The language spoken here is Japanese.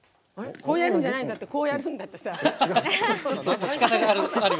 こうやるんじゃなくてこうやるんだって。